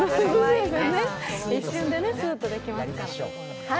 一瞬でスーッとできますから。